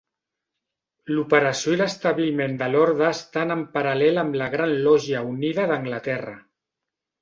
L'operació i l'establiment de l'orde estan en paral·lel amb la gran Lògia Unida d'Anglaterra.